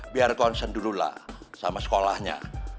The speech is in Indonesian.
biar konsen dululah sama sekolahnya